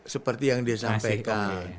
seperti yang disampaikan